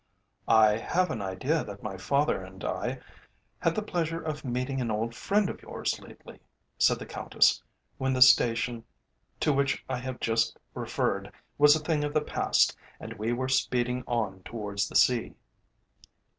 "I have an idea that my father and I have had the pleasure of meeting an old friend of yours lately," said the Countess, when the station to which I have just referred was a thing of the past and we were speeding on towards the sea.